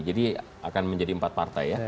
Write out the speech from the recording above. jadi akan menjadi empat partai ya